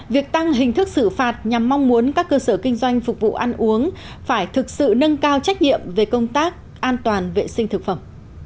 việc tăng hình thức xử phạt nhằm mong muốn các cơ sở kinh doanh phục vụ ăn uống phải thực sự nâng cao trách nhiệm về công tác an toàn vệ sinh thực phẩm